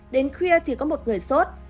đến khuya thì có một người sốt